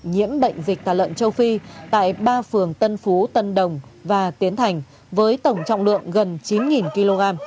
nhiễm bệnh dịch tả lợn châu phi tại ba phường tân phú tân đồng và tiến thành với tổng trọng lượng gần chín kg